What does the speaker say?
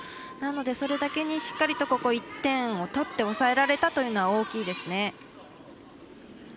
なので、それだけにしっかりとここは１点を取って抑えられたというのは大きいですね。